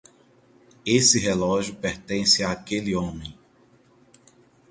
Esse relógio pertence àquele homem.